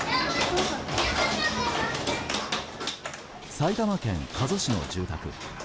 埼玉県加須市の住宅。